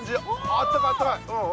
あったかいあったかい！